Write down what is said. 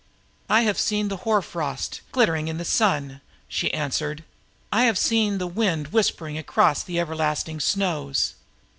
"I have seen the hoar frost glittering in the sun," she answered. "I have heard the wind whispering across the everlasting snows."